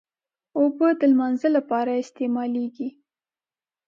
اوبه د لمانځه لپاره استعمالېږي.